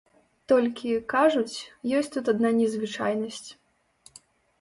Толькі, кажуць, ёсць тут адна незвычайнасць.